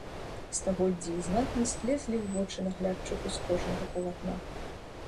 Стагоддзі і знатнасць лезлі ў вочы наглядчыку з кожнага палатна.